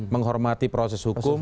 menghormati proses hukum